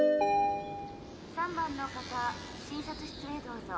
３番の方診察室へどうぞ。